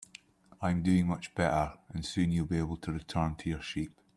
I'm doing much better, and soon you'll be able to return to your sheep.